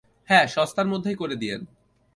হ্যাঁ, সস্তার মধ্যেই করে দিয়েন।